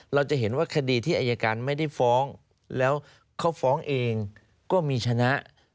เราจะเห็นว่าคดีที่อายการไม่ได้ฟ้องแล้วเขาฟ้องเองก็มีชนะ